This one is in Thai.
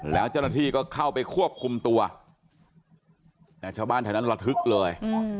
แล้วเจ้าหน้าที่ก็เข้าไปควบคุมตัวแต่ชาวบ้านแถวนั้นระทึกเลย